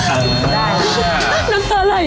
น้ำตาไหล